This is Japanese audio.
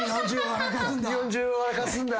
「日本中を沸かすんだ」